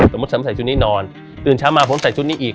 สมมุติฉันใส่ชุดนี้นอนตื่นเช้ามาผมใส่ชุดนี้อีก